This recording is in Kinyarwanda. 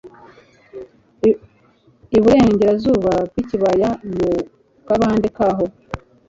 i burengerazuba bw'ikibaya mu kabande kaho.